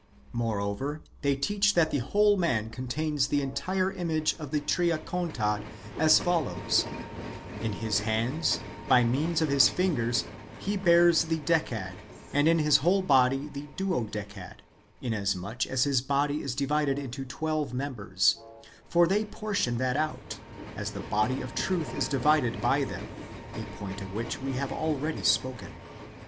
Moreover, they teach that the whole man contains the entire image of the Triacontad as follows : In his hands, by means of his fingers, he bears the Decad ; and in his whole body the Duodecad, inasmuch as his body is divided into twelve members ; for they portion that out, as the body of Truth is divided by them — a point of which we have already spoken.